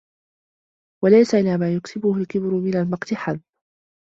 وَلَيْسَ إلَى مَا يُكْسِبُهُ الْكِبْرُ مِنْ الْمَقْتِ حَدٌّ